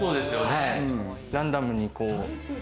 ランダムに、こう。